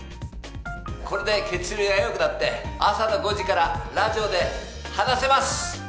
これで血流が良くなって朝の５時からラジオで話せます！